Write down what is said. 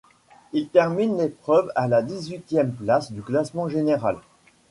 Il termine l'épreuve à la dix-huitième place du classement général.